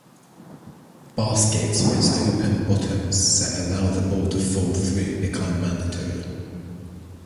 Baskets with open bottoms that allow the ball to fall through become mandatory.